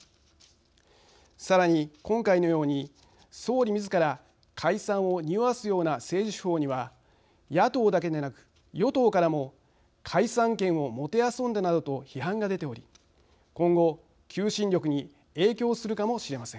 さらに今回のように総理みずから解散をにおわすような政治手法には野党だけでなく与党からも解散権をもてあそんだなどと批判が出ており今後求心力に影響するかもしれません。